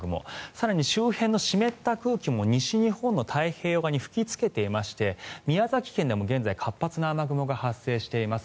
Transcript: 更に周辺の湿った空気も西日本の太平洋側に吹きつけていまして宮崎県でも現在活発な雨雲が発生しています。